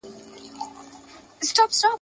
ستا د اوښکو په ګرېوان کي خپل مزار په سترګو وینم!.